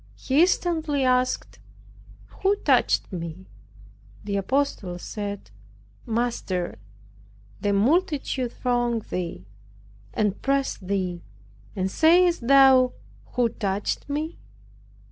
He instantly asked, "Who touched me?" The apostles said, "Master, the multitude throng thee, and press thee; and sayest thou, Who touched me?"